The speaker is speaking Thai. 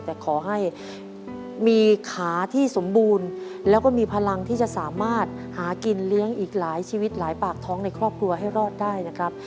แต่ขอให้มีขาที่สมบูรณ์แล้วก็มีพลังที่จะสามารถหากินเลี้ยงอีกหลายชีวิตหลายปากท้องในครอบครัวให้รอดได้นะครับ